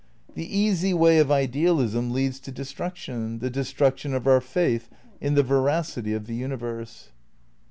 The easy way of idealism leads to destruction, the destruction of our faith in the veracity of the universe.